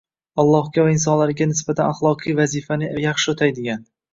Allohga va insonlarga nisbatan axloqiy vazifani yaxshi o'taydigan